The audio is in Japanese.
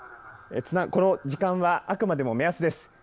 この時間はあくまでも目安です。